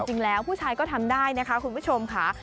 จริงแล้วผู้ชายก็ทำได้นะคะคุณผู้ชมค่ะ